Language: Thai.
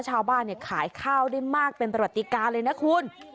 ชาวบ้านขายข้าวได้มากเป็นประวัติการเลยนะคุณ